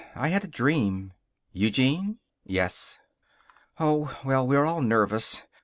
I had a dream." "Eugene?" "Yes." "Oh, well, we're all nervous.